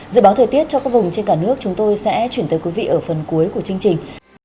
dự báo thời tiết cho các vùng trên cả nước chúng tôi sẽ chuyển tới quý vị ở phần cuối của chương trình